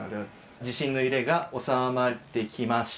地震の揺れが収まってきました。